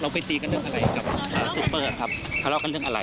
ไปตีกันเรื่องอะไรกับซูเปอร์ครับทะเลาะกันเรื่องอะไร